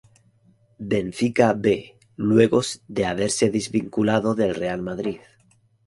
Benfica B, luego de haberse desvinculado del Real Madrid.